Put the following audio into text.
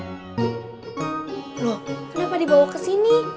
loh kenapa dibawa ke sini